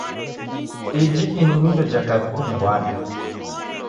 Iji ini indo ja kaw'I kumbwada.